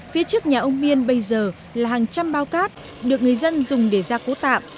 phía trước nhà ông miên bây giờ là hàng trăm bao cát được người dân dùng để ra cố tạm